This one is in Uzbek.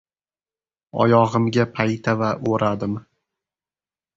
Oyog‘imga paytava o‘radim.